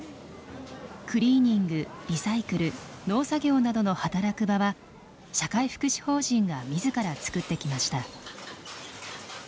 クリーニングリサイクル農作業などの働く場は社会福祉法人が自ら作ってきました。